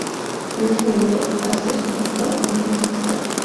El último volvió a ser convocado unos meses más tarde.